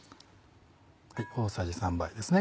大さじ３杯ですね